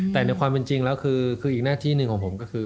แต่ในความเป็นจริงแล้วคืออีกหน้าที่หนึ่งของผมก็คือ